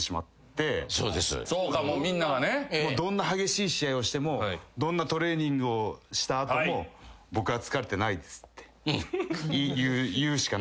どんな激しい試合をしてもどんなトレーニングをした後も僕は疲れてないですって言うしか。